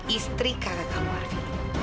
istri kakak kamu arfi